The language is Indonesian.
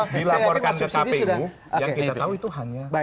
dilaporkan ke kpu yang kita tahu itu hanya